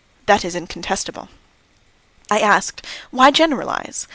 That is incontestable." I asked: "Why generalise?